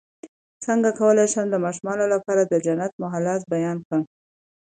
څنګه کولی شم د ماشومانو لپاره د جنت محلات بیان کړم